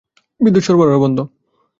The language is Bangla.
বিদ্যুৎ সরবরাহ বন্ধ।